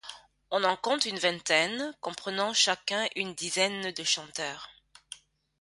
On en compte une vingtaine, comprenant chacun une dizaine de chanteurs.